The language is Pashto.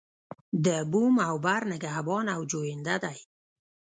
د بوم او بر نگهبان او جوینده دی.